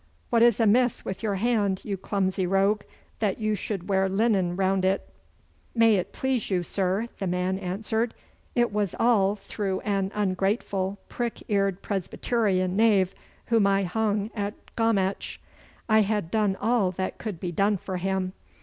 What is amiss with your hand, you clumsy rogue, that you should wear linen round it?' 'May it please you, sir,' the man answered, 'it was all through an ungrateful, prick eared Presbyterian knave whom I hung at Gommatch. I had done all that could be done for him.